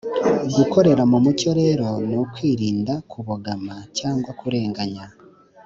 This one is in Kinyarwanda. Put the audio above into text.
Gukorera mu mucyo rero ni ukwirinda kubogama cyangwa kurenganya